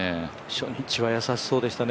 初日は易しそうでしたね。